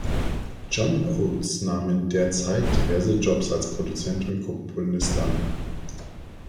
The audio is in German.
John Oates nahm in der Zeit diverse Jobs als Produzent und Komponist an.